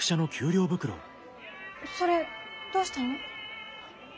それどうしたの？